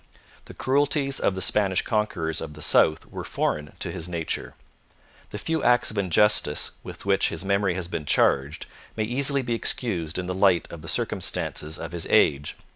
The cruelties of the Spanish conquerors of the south were foreign to his nature. The few acts of injustice with which his memory has been charged may easily be excused in the light of the circumstances of his age.